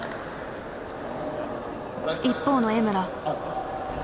一方の江村。